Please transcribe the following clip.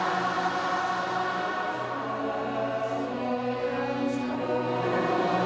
พระนึงจะให้เสียงทุกคนดังไปถึงภาพประวัติศาสตร์แทนความจงรักพักดีอีกครั้ง